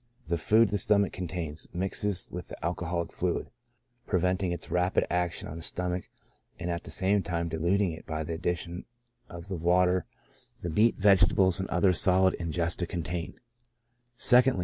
The food the stomach contains mixes with the alcoholic fluid, preventing its rapid action on the stom ach, and at the same time diluting it by the addition of the water the meat, vegetables, and other solid ingesta contain, 2ndly.